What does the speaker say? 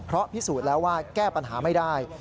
เพราะพิสูจน์แล้วว่าแก้ปัญหาไม่ได้